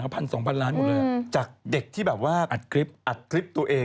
เพราะว่า๗๗ล้านคน